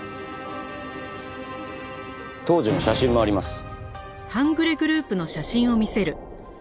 当時の写真もあります。